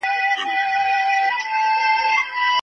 تعلیم د ماشومانو د ذهني توانايي د ودې لپاره کلیدي دی.